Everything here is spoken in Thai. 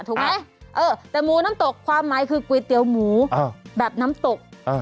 ถูกไหมเออแต่หมูน้ำตกความหมายคือก๋วยเตี๋ยวหมูแบบน้ำตก